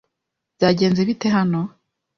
Byagenze bite hano?